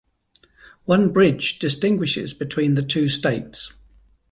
One bridge distinguishes between the two states.